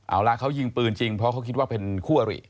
เอาละเขายิงปืนจริงเพราะเขาคิดว่าเป็นคู่อริ